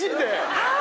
はい！